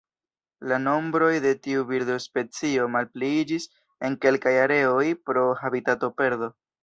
La nombroj de tiu birdospecio malpliiĝis en kelkaj areoj pro habitatoperdo.